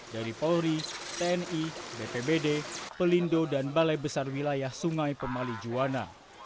dari polri tni bpbd pelindo dan balai besar wilayah sungai pemali juwana